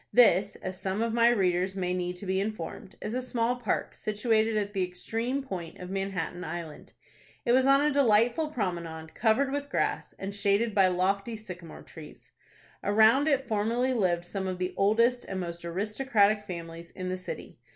This, as some of my readers may need to be informed, is a small park situated at the extreme point of Manhattan Island. It was on a delightful promenade, covered with grass, and shaded by lofty sycamore trees. Around it formerly lived some of the oldest and most aristocratic families in the city.